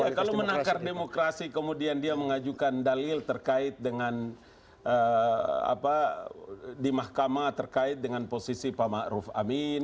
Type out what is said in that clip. ya kalau menangkar demokrasi kemudian dia mengajukan dalil terkait dengan apa di mahkamah terkait dengan posisi pak ma'ruf amin